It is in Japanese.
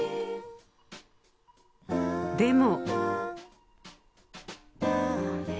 でも